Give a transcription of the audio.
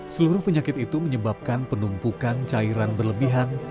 seluruh penyakit itu menyebabkan penumpukan cairan berlebihan